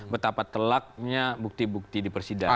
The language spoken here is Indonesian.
betapa telaknya bukti bukti dipersidangkan